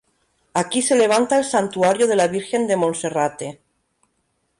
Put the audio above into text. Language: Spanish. Aquí se levanta el santuario de la Virgen de Monserrate.